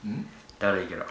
だるいけど。